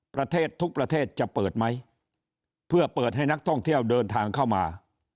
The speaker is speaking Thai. ประเทศทุกประเทศจะเปิดไหมเพื่อเปิดให้นักท่องเที่ยวเดินทางเข้ามา